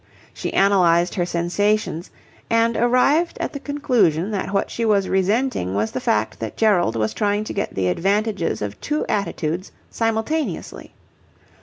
She analysed her sensations, and arrived at the conclusion that what she was resenting was the fact that Gerald was trying to get the advantages of two attitudes simultaneously.